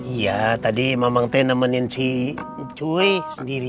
iya tadi memang teh nemenin si cu sendiri